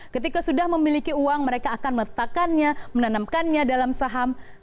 ketika sudah memiliki uang mereka akan meletakkannya menanamkannya dalam saham